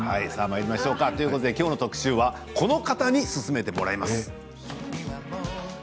今日の特集はこの方に進めてもらいます。